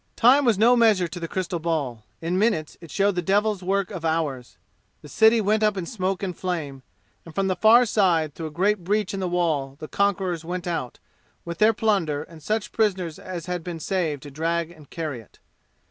Time was no measure to the crystal ball. In minutes it showed the devil's work of hours. The city went up in smoke and flame, and from the far side through a great breach in the wall the conquerors went out, with their plunder and such prisoners as had been saved to drag and carry it.